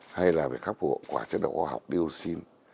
hay là phải khắc phục hậu quả chất độc khoa học dioxin